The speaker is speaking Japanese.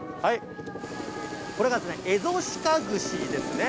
これが、エゾシカ串ですね。